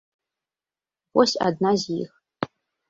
Вось адна з іх.